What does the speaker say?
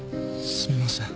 すみません